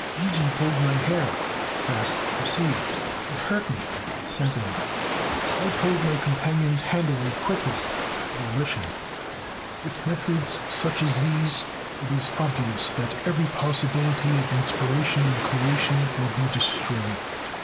Gigi pulled my hair (fact perceived). It hurt me (sentiment). I pulled my companion's hand away quickly (volition) (I Diritti della Scuola, Year xiv, No. 16, p. 232). With methods such as these it is obvious that every possibility of inspiration and creation will be destroyed.